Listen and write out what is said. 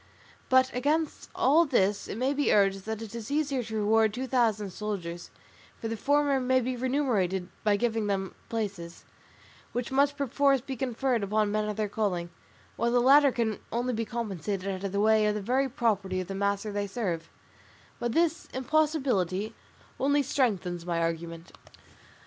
But against all this it may be urged that it is easier to reward two thousand soldiers, for the former may be remunerated by giving them places, which must perforce be conferred upon men of their calling, while the latter can only be recompensed out of the very property of the master they serve; but this impossibility only strengthens my argument.